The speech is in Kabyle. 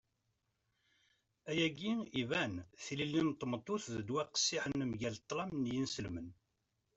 Ayagi iban. Tilelli n tmeṭṭut d ddwa qqessiḥen mgal ṭṭlam n yinselmen.